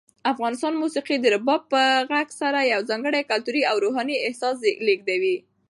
افغاني موسیقي د رباب په غږ سره یو ځانګړی کلتوري او روحاني احساس لېږدوي.